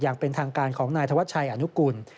อย่างเป็นทางการของนายธวัชชัยอนุกุล